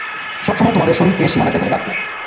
সবসময় তোমাদের শরীরকে সীমানার ভেতর রাখবে।